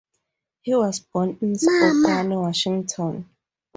He was born in Spokane, Washington.